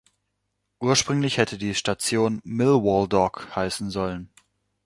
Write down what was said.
Ursprünglich hätte die Station "Millwall Dock" heißen sollen.